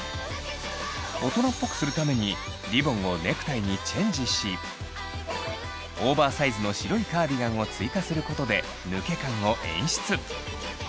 大人っぽくするためにリボンをネクタイにチェンジしオーバーサイズの白いカーディガンを追加することで抜け感を演出。